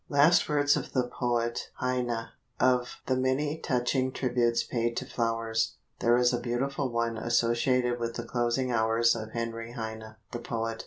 LAST WORDS OF THE POET HEINE. Of the many touching tributes paid to flowers, there is a beautiful one associated with the closing hours of Henry Heine, the poet.